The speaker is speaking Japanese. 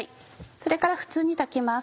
それから普通に炊きます。